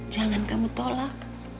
jangan kamu tolak